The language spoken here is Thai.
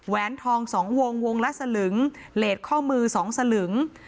แหวนทองสองวงวงละสลึงเหลดข้อมือสองสลึง